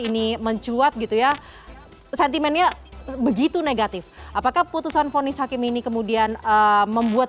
ini mencuat gitu ya sentimennya begitu negatif apakah putusan fonis hakim ini kemudian membuat